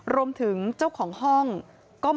รวมถึงเจ้าของห้องก็มามอบพลุงหรี่